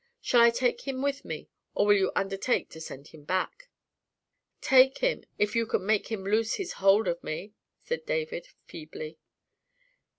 Shall I take him with me, or will you undertake to send him back?" "Take him, if you can make him loose his hold of me," said David, feebly.